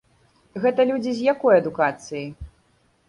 Гэта людзі з якой адукацыяй?